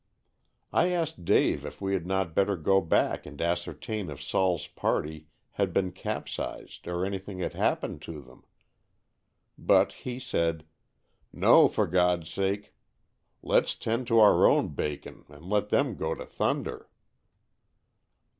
I asked Dave if we had not better go back and ascertain if "Sol's" party had been capsized or anything had happened to them; but he said, "No, for God's sake, let's 'tend to our own bacon and let them go to thunder."